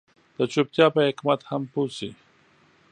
د چوپتيا په حکمت هم پوه شي.